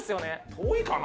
遠いかな？